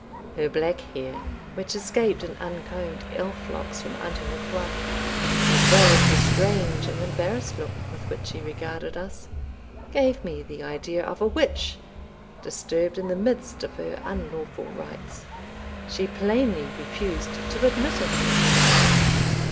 Her black hair, which escaped in uncombed elf locks from under her coif, as well as the strange and embarrassed look with which she regarded us, gave me the idea of a witch disturbed in the midst of her unlawful rites. She plainly refused to admit us into the house.